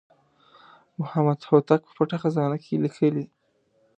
محمد هوتک په پټه خزانه کې لیکلي.